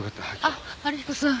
あっ春彦さん。